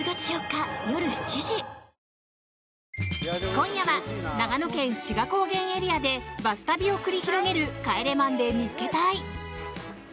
今夜は長野県志賀高原エリアでバス旅を繰り広げる「帰れマンデー見っけ隊！！」。